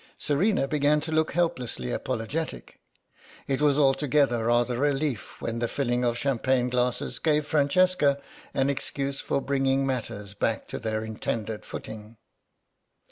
Serena began to look helplessly apologetic. It was altogether rather a relief when the filling of champagne glasses gave Francesca an excuse for bringing matters back to their intended footing.